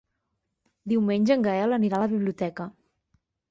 Diumenge en Gaël anirà a la biblioteca.